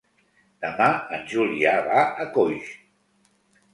Demà en Julià va a Coix.